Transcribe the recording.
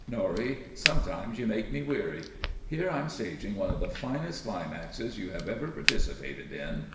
Norrie, sometimes you make me weary. Here I'm staging one of the finest climaxes you have ever participated in.